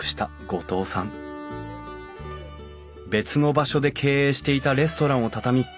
別の場所で経営していたレストランを畳み